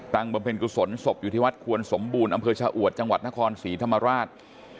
บำเพ็ญกุศลศพอยู่ที่วัดควรสมบูรณ์อำเภอชะอวดจังหวัดนครศรีธรรมราช